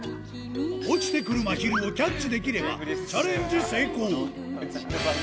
落ちてくるまひるをキャッチできれば、チャレンジ成功。